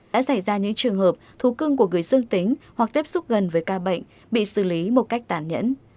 đã xảy ra những trường hợp thú cưng của người dương tính hoặc tiếp xúc gần với ca bệnh bị xử lý một cách tản nhẫn